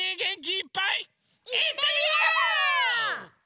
いってみよ！